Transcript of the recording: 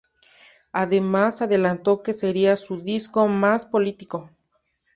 Además adelantó que sería su disco más político.